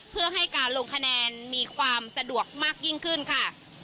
เพื่อให้การลงคะแนนมีความสะดวกมากยิ่งขึ้นค่ะ